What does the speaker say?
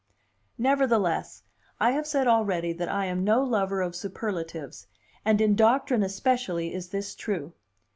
Nevertheless, I have said already that I am no lover of superlatives, and in doctrine especially is this true.